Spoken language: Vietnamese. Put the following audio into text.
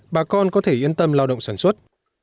bà con có thể yên tâm lao động sản xuất